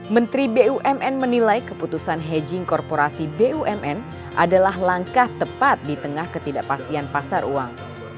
menteri bumn menilai keputusan hedging korporasi bumn adalah langkah tepat di tengah ketidakpastian pasar uang